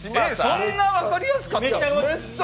そんな分かりやすかった？